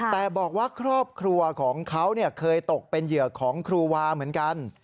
แต่บอกว่าครอบครัวของเขาเคยตกเป็นเหยื่อของครูวาเหมือนกัน